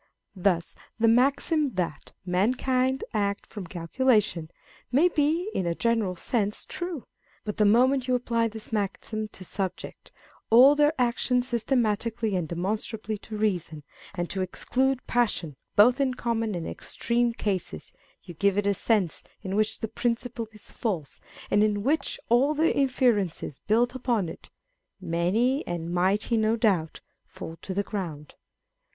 Thus, the maxim that a mankind act from calculation " may be, in a general sense, true : but the moment you apply this maxim to subject all their actions systematically and demonstrably to reason, and to exclude passion both in common and in extreme cases, you give it a sense in which the principle is false, and in which all the inferences built upon it (many and mighty, no doubt,) fall to the ground.